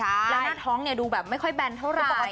ใช่และหน้าท้องดูแบบไม่ค่อยแบนเท่าไหร่